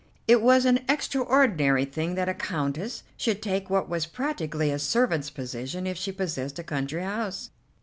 It was an extraordinary thing that a Countess should take what was practically a servant's position if she possessed a country house.